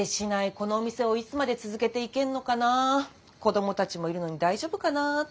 このお店をいつまで続けていけんのかな子供たちもいるのに大丈夫かなって思ったり。